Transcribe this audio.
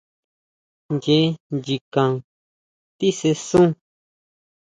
Ncheé nchikan tisesun.